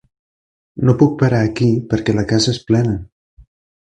No puc parar aquí perquè la casa és plena.